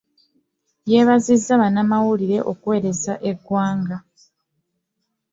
Yeebazizza bannamawulire okuweereza eggwanga.